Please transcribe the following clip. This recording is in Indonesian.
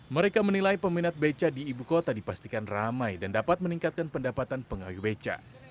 mereka menilai peminat beca di ibu kota dipastikan ramai dan dapat meningkatkan pendapatan pengayuh beca